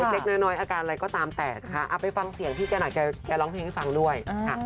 เร็วเข้าไปลองเพลงให้ฟังด้วย